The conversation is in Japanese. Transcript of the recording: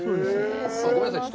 ごめんなさい。